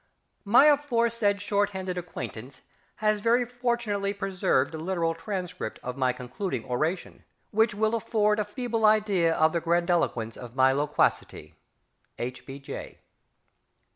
_ My aforesaid shorthanded acquaintance has very fortunately preserved the literal transcript of my concluding oration, which will afford a feeble idea of the grandiloquence of my loquacity. H. B. J.